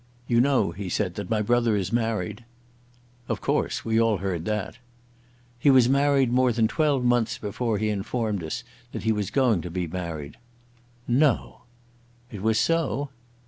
"You know," he said, "that my brother is married?" "Of course, we all heard that." "He was married more than twelve months before he informed us that he was going to be married." "No!" "It was so."